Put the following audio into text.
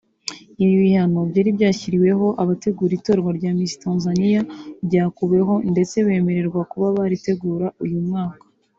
Ibi bihano byari byashyiriweho abategura itorwa rya Miss Tanzania byakuweho ndetse bemererwa kuba baritegura uyu mwaka